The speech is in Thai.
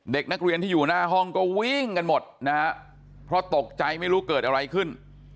เด็กนักเรียนที่อยู่หน้าห้องก็วิ่งกันหมดนะฮะเพราะตกใจไม่รู้เกิดอะไรขึ้น